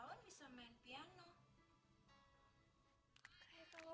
terima kasih pak